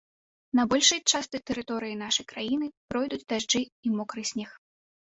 На большай частцы тэрыторыі нашай краіны пройдуць дажджы і мокры снег.